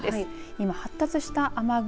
今、発達した雨雲